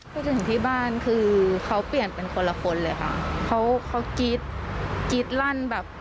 พูดถึงที่บ้านคือเขาเปลี่ยนเป็นคนละคนเลยค่ะเขากี๊ดลั่นแบบ